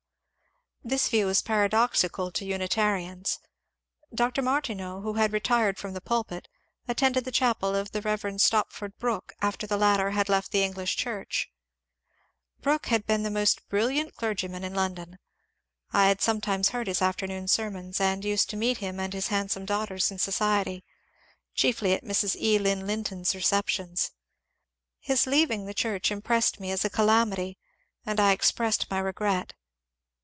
This view was paradoxical to Unitarians. Dr. Martineau, who had retired from the pulpit, attended the chapel of the Rev. Stopford Brooke after the latter had left the English Church. Brooke had been the most brilliant clergyman in London. I had sometimes heard his afternoon sermons, and used to meet him and his handsome daughters in society, chiefly at Mrs. E. Lynn Linton's receptions. His leaving the church impressed me as a calamity, and I expressed my regret.